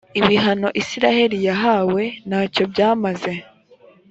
ibihano isirayeli yahawe nta cyo byamaze